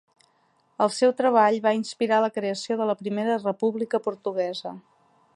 El seu treball va inspirar la creació de la Primera República Portuguesa.